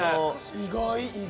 意外意外！